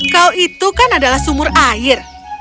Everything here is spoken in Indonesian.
kau itu kan adalah sumur air